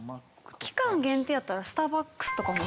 期間限定やったらスターバックスとかもね。